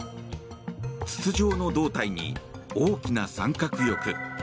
筒状の胴体に大きな三角翼。